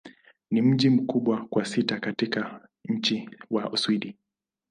Ni mji mkubwa wa sita katika nchi wa Uswidi.